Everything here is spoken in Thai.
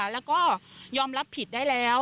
แล้วก็ยอมรับผิดได้แล้ว